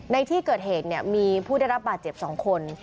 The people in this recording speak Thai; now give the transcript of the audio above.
ในที่เกิดเหตุมีผู้ได้รับบาดเจ็บ๒คน